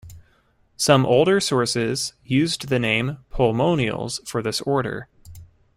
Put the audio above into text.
Some older sources used the name Polemoniales for this order.